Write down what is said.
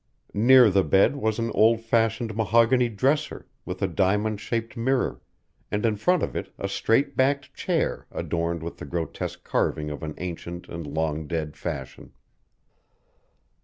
Near the bed was an old fashioned mahogany dresser, with a diamond shaped mirror, and in front of it a straight backed chair adorned with the grotesque carving of an ancient and long dead fashion.